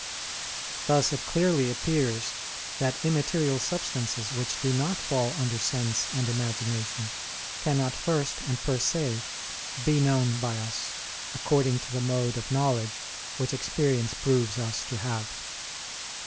Thus it clearly appears that immaterial substances which do not fall under sense and imagination, cannot first and per se be known by us, according to the mode of knowledge which experience proves us to have.